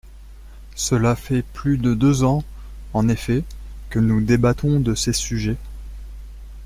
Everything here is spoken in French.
Cela fait plus de deux ans, en effet, que nous débattons de ces sujets.